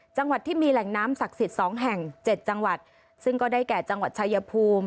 จังหวัดที่มีแหล่งน้ำศักดิ์สิทธิ์๒แห่ง๗จังหวัดซึ่งก็ได้แก่จังหวัดชายภูมิ